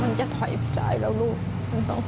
มันจะถ่ายไปจากไอ้ลูกไม่ต้องสงหลัก